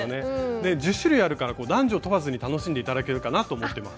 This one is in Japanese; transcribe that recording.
で１０種類あるから男女問わずに楽しんで頂けるかなと思ってます。